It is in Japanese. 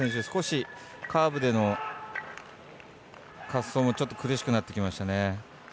少しカーブでの滑走もちょっと苦しくなってきました。